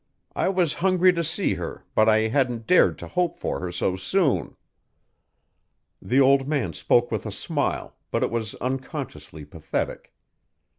I was hungry to see her, but I hadn't dared to hope for her so soon." The old man spoke with a smile, but it was unconsciously pathetic.